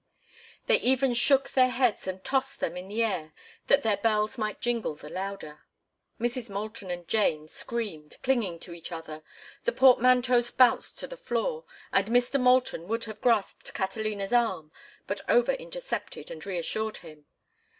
They even shook their heads and tossed them in the air that their bells might jingle the louder. Mrs. Moulton and Jane screamed, clinging to each other, the portmanteaus bounced to the floor, and Mr. Moulton would have grasped Catalina's arm but Over intercepted and reassured him.